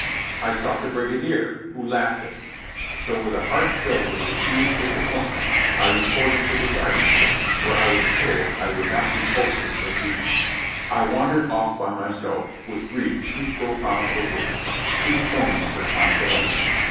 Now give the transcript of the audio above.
I sought the brigadier, who laughed at me; so, with a heart filled with the keenest disappointment, I reported to the guard tent, where I was told I would not be posted till evening. I wandered off by myself with grief too profound for words — too poignant for consolation.